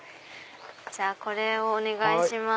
じゃあこれをお願いします。